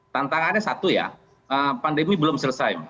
tantangannya satu ya pandemi belum selesai